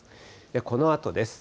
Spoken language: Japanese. このあとです。